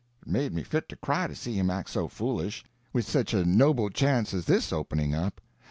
It made me fit to cry to see him act so foolish, with such a noble chance as this opening up.